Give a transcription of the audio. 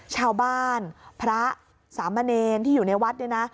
ชาวบ้านพระสามเณรที่อยู่ในวัดเนี่ยนะ